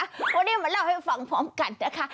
วันนี้มาเล่าให้ฟังพร้อมกันนะคะ